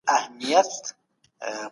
د حج په مابينځ کي مي خپلي غونډې ولیدلې.